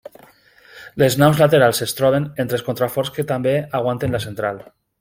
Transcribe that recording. Les naus laterals es troben entre els contraforts que també aguanten la central.